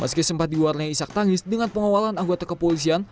masih sempat diwarnai isyak tangis dengan pengawalan anggota kepolisian